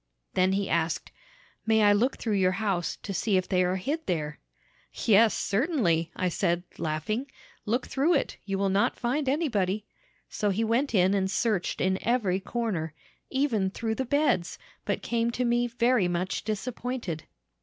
"Then he asked, 'May I look through your house, to see if they are hid there?' "'Yes, certainly,' I said, laughing; 'look through it; you will not find anybody.' So he went in and searched in every corner, even through the beds, but came to me very much disappointed.